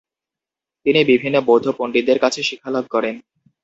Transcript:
তিনি বিভিন্ন বৌদ্ধ পন্ডিতদের কাছে শিক্ষালাভ করেন।